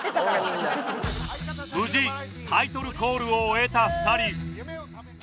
無事タイトルコールを終えた２人「えっ別？」